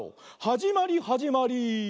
はじまりはじまり。